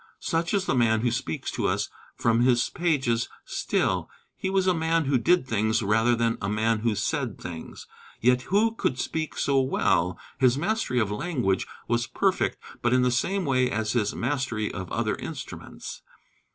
Such is the man who speaks to us from his pages still. He was a man who did things rather than a man who said things. Yet who could speak so well? His mastery of language was perfect, but in the same way as his mastery of other instruments.